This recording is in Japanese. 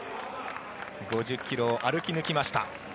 ５０ｋｍを歩き抜きました。